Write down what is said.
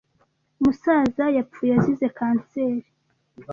musaza yapfuye azize kanseri.